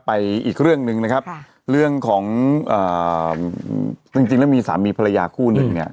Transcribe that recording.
อีกเรื่องหนึ่งนะครับเรื่องของจริงแล้วมีสามีภรรยาคู่หนึ่งเนี่ย